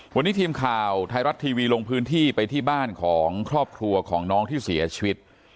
วันนี้ทีมข่าวไทยรัฐทีวีลงพื้นที่ไปที่บ้านของครอบครัวของน้องที่เสียชีวิต